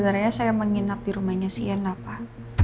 karena sebenarnya saya menginap di rumahnya siana pak